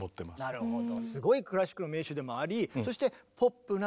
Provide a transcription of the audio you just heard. なるほど。